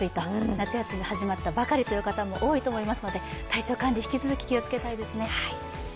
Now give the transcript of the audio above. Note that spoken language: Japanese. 夏休み、始まったばかりという方も多いと思いますので体調管理、引き続き気をつけたいですね。